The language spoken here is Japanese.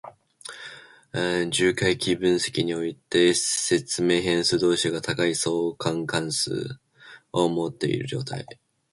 重回帰分析において、説明変数同士が高い相関関係を持っている状態。